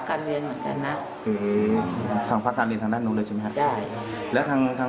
อืมติดต่อมากี่ครั้งแล้วคุณยาย